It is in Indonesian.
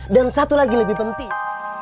dan satu lagi lebih penting